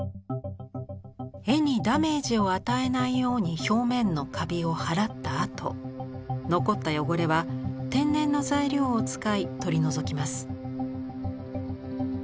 絵にダメージを与えないように表面のカビを払ったあと残った汚れは天然の材料を使い取り除きます。